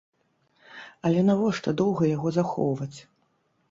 Але навошта доўга яго захоўваць?